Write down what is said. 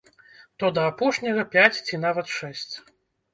То да апошняга пяць ці нават шэсць.